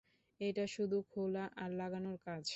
এটা শুধু খোলা আর লাগানোর কাজ।